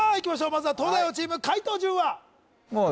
まずは東大王チーム解答順は？